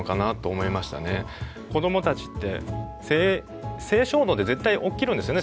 子どもたちって性衝動って絶対起きるんですよね。